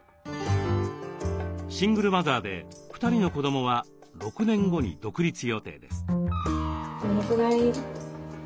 シングルマザーで２人の子どもは６年後に独立予定です。